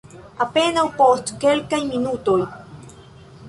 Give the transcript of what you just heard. Apenaŭ post kelkaj minutoj.